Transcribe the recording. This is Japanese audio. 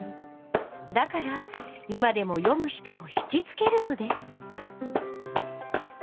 だから今でも読む人を引きつけるのです。